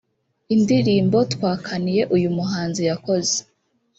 Indirimbo ’Twakaniye’ uyu muhanzi yakoze